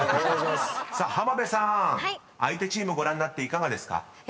［さあ浜辺さん相手チームご覧になっていかがですか？］